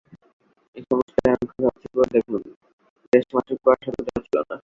এই-সমস্তই আমি খুব স্বচ্ছ করে দেখলুম, লেশমাত্র কুয়াশা কোথাও ছিল না।